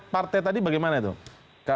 partai tadi bagaimana tuh